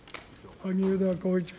萩生田光一君。